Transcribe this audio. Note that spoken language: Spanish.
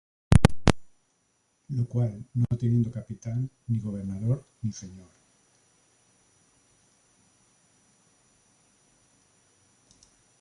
La cual no teniendo capitán, Ni gobernador, ni señor,